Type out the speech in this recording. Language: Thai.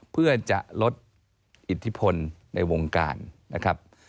เพื่อจะลดอิทธิพลในวงการนะครับ